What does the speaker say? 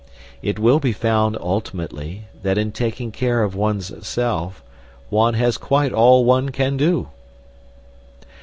It will be found, ultimately, that in taking care of one's self one has quite all one can do.